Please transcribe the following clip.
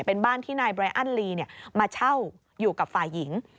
เป็นบ้านที่นายไรอันลีมาเช่าอยู่กับฝ่ายหญิง